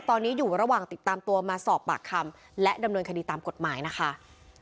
ตอนนี้อยู่ระหว่างติดตามตัวมาสอบปากคำและดำเนินคดีตามกฎหมายนะคะ